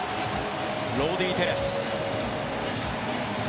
ロウディ・テレス。